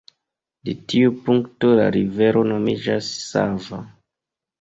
De tiu punkto la rivero nomiĝas Sava.